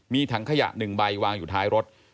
มีถังขยะ๑ใบวางอยู่ท้ายรถ